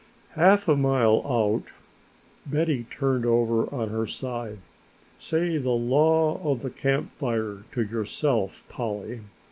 Half a mile out Betty turned over on her side. "Say the Law of the Camp Fire to yourself, Polly.